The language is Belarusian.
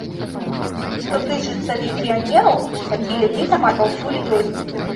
Што тычыцца легіянераў, такі ліміт амаль паўсюль ёсць.